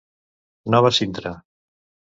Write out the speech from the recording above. Nova Sintra.